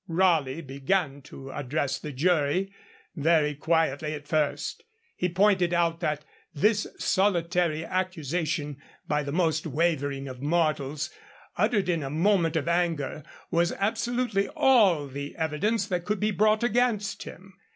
Raleigh began to address the jury, very quietly at first. He pointed out that this solitary accusation, by the most wavering of mortals, uttered in a moment of anger, was absolutely all the evidence that could be brought against him.